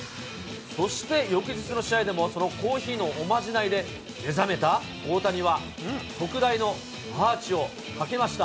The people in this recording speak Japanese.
そして翌日の試合でも、そのコーヒーのおまじないで目覚めた大谷は、特大のアーチを描きました。